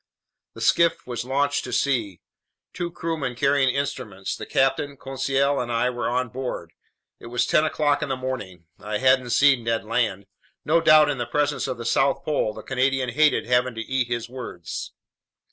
The skiff was launched to sea. Two crewmen carrying instruments, the captain, Conseil, and I were on board. It was ten o'clock in the morning. I hadn't seen Ned Land. No doubt, in the presence of the South Pole, the Canadian hated having to eat his words.